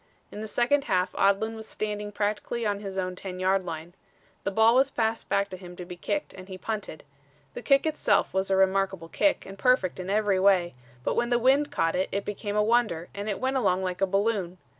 In the second half Odlin was standing practically on his own ten yard line. The ball was passed back to him to be kicked and he punted. The kick itself was a remarkable kick and perfect in every way, but when the wind caught it it became a wonder and it went along like a balloon.